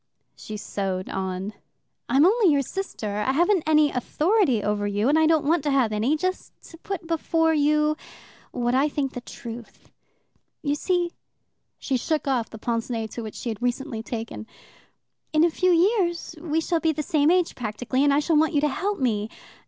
She sewed on. "I'm only your sister. I haven't any authority over you, and I don't want to have any. Just to put before you what I think the truth. You see" she shook off the pince nez to which she had recently taken "in a few years we shall be the same age practically, and I shall want you to help me.